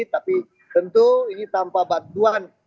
tapi tentu ini tanpa bantuan